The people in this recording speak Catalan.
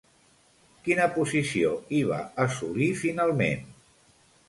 Quina posició hi va assolir, finalment?